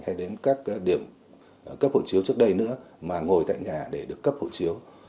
hay đến các điểm cấp hộ chiếu trước đây nữa mà ngồi tại nhà để được cấp hộ chiếu